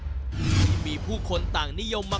ที่มีผู้คนต่างนิยมมา